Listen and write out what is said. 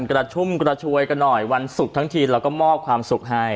กระชุ่มกระชวยกันหน่อยวันศุกร์ทั้งทีแล้วก็มอบความสุขให้